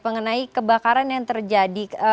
mengenai kebakaran yang terjadi